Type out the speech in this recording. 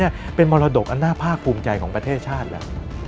นี่เป็นมรดกอันน่าภาคภูมิใจของประเทศชาติแล้ว